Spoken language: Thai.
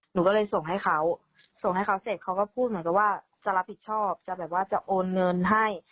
หนูก็เลยส่งให้เขาส่งให้เขาเสร็จเขาก็พูดเหมือนกับว่าจะรับผิดชอบจะแบบว่าจะโอนเงินให้